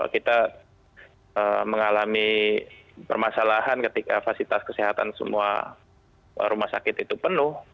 kita mengalami permasalahan ketika fasilitas kesehatan semua rumah sakit itu penuh